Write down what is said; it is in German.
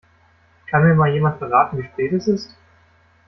Kann mir mal jemand verraten, wie spät es ist?